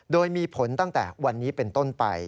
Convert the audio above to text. โดยมีผลตั้งแต่วันนี้เป็นต้นไป